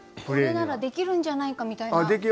これならできるんじゃないかみたいな。